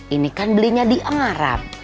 ini kan belinya diangarap